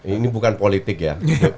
ini bukan politik ya